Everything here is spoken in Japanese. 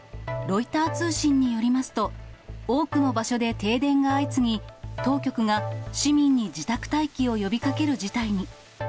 ロイター通信によりますと、多くの場所で停電が相次ぎ、当局が市民に自宅待機を呼びかける事態に。